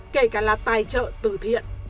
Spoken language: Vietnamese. và giải trợ từ thiện